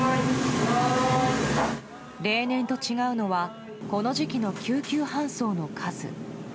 例年と違うのはこの時期の救急搬送の数。